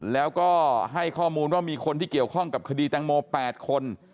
แล้วก็ให้ข้อมูลว่ามีคนที่เกี่ยวข้องกับคดีแตงโม๘คน